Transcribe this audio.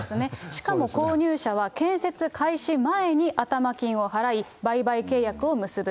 しかも購入者は建設開始前に頭金を払い、売買契約を結ぶ。